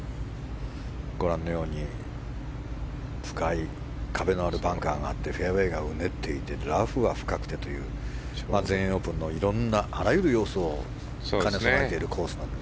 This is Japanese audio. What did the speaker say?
ご覧のように深い壁のあるバンカーがあってフェアウェーがうねっていてラフは深くてという全英オープンのいろんなあらゆる要素を兼ね備えているコースなんです。